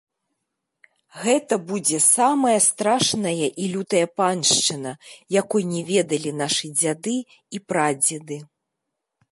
Гэта будзе самая страшная і лютая паншчына, якой не ведалі нашы дзяды і прадзеды.